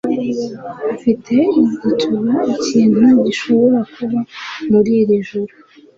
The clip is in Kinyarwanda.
Mfite igituba ikintu gishobora kuba muri iri joro.